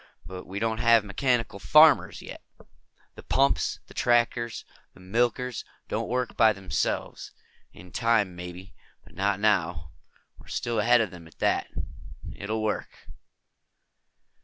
But we don't have mechanical farmers, yet. The pumps, the tractors, the milkers don't work by themselves. In time, maybe. Not now. We're still ahead of them on that. It'll work."